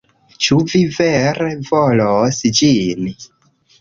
Ĉu mi vere volos ĝin?